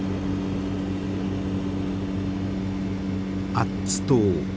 アッツ島。